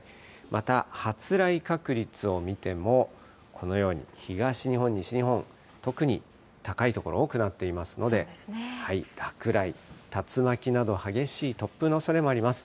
また発雷確率を見ても、このように東日本、西日本、特に高い所多くなっていますので、落雷、竜巻など、激しい突風のおそれもあります。